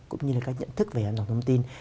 cũng như là các nhận thức về an toàn thông tin